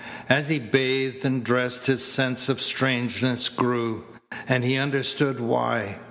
As he bathed and dressed his sense of strangeness grew, and he understood why.